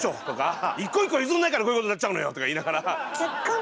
「一個一個譲んないからこういうことになっちゃうのよ！」とか言いながら。